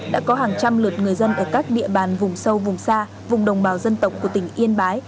đã có hàng trăm lượt người dân ở các địa bàn vùng sâu vùng xa vùng đồng bào dân tộc của tỉnh yên bái